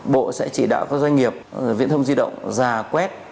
bộ sẽ chỉ đạo các doanh nghiệp viễn thông di động giả quét